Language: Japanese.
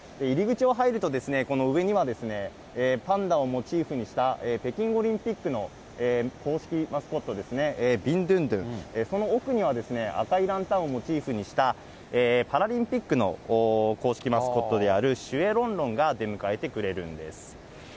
入り口を入ると、この上には、パンダをモチーフにした、北京オリンピックの公式マスコットですね、ビンドゥンドゥン、その奥には赤いランタンをモチーフにした、パラリンピックの公式マスコットである、シュエ・ロンロンが出迎えてくれるんです。